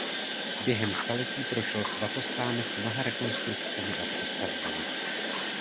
Během staletí prošel svatostánek mnoha rekonstrukcemi a přestavbami.